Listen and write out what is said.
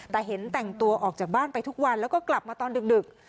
แต่เห็นแต่งตัวออกจากบ้านไปทุกวันแล้วก็กลับมาตอนดึก